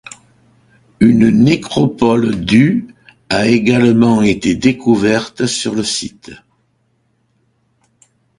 Une nécropole du a également été découverte sur le site.